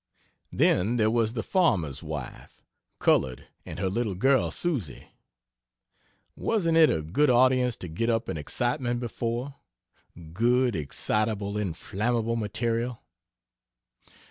Then there was the farmer's wife (colored) and her little girl, Susy. Wasn't it a good audience to get up an excitement before? Good excitable, inflammable material?